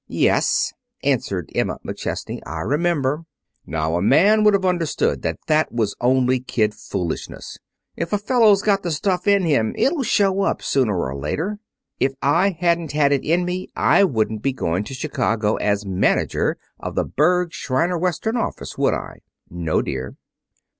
"Yes," answered Emma McChesney, "I remember." "Now a man would have understood that that was only kid foolishness. If a fellow's got the stuff in him it'll show up, sooner or later. If I hadn't had it in me I wouldn't be going to Chicago as manager of the Berg, Shriner Western office, would I?" "No, dear."